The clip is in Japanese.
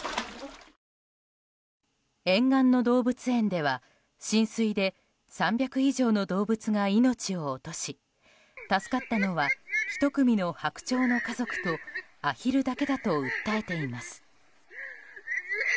沿岸の動物園では、浸水で３００以上の動物が命を落とし助かったのは１組のハクチョウの家族とアヒルだけだと訴えています。